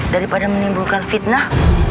daripada menimbulkan fitnah